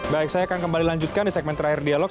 baik saya akan kembali lanjutkan di segmen terakhir dialog